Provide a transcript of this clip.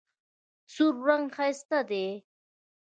سور رنګ ښایسته دی.